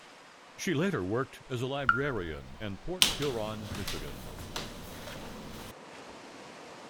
She later worked as a librarian in Port Huron, Michigan.